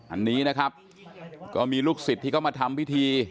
อันนี้นะครับก็มีลูกศิษย์ที่เขามาทำพิธี